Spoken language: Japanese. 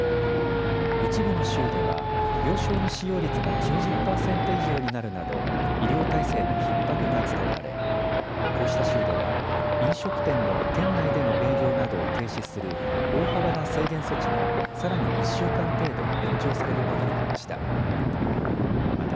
一部の州では病床の使用率が９０％以上になるなど医療体制のひっ迫が伝えられこうした州では飲食店の店内での営業などを停止する大幅な制限措置がさらに１週間程度延長されることになりました。